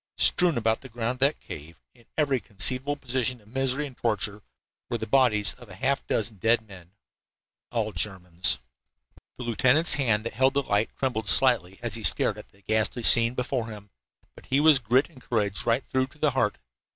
Strewn about the ground of that cave, in every conceivable position of misery and torture, were the bodies of half a dozen dead men, all Germans. The lieutenant's hand that held the light trembled slightly as he stared at the ghastly scene before him, but he was grit and courage right through to the heart.